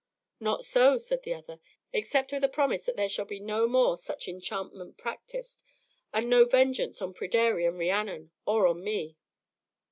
"Not so," said the other, "except with a promise that there shall be no more such enchantment practised, and no vengeance on Pryderi and Rhiannon, or on me."